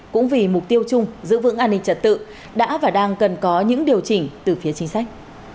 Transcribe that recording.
cũng vì mục tiêu chung giữ vững an ninh trật tự đã và đang cần có những điều chỉnh từ phía chính sách